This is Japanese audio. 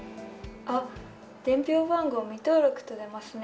伝票番号未登録と出ますね。